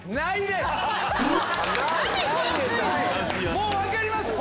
もう分かりました？